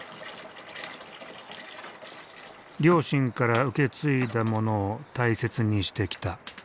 両親から受け継いだものを大切にしてきた。